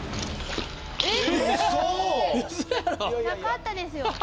なかったですよ。